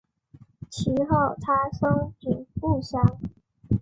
其后他生平不详。